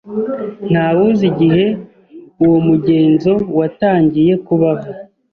Ntawe uzi igihe uwo mugenzo watangiye kubaho.